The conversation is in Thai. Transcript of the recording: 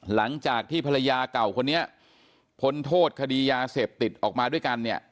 หลังจากที่ภรรยาเก่าคนนี้พ้นโทษคดียาเสพติดออกมาด้วยกันเนี่ย